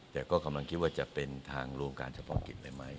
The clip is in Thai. แต่ก็กำลังคิดว่าจะเป็นทางโรงการเฉพาะกิจได้ไหม